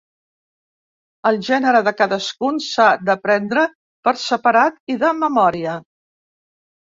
El gènere de cadascun s'ha d'aprendre per separat i de memòria.